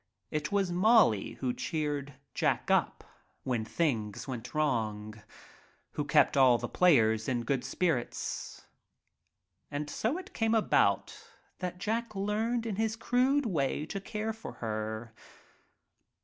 It was Molly who cheered Jack up when things went wrong, who kept all the players in good spirits. And so it came about that Jack learned in his crude way to care for her.